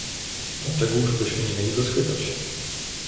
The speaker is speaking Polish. "Dlaczegóż byśmy nie mieli go schwytać."